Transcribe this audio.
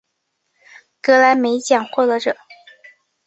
格莱美奖获得者。